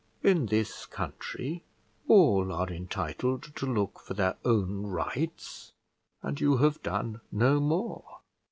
In this country all are entitled to look for their own rights, and you have done no more.